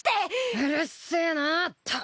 うるせえなぁったく。